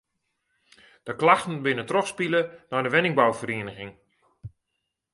De klachten binne trochspile nei de wenningbouferieniging.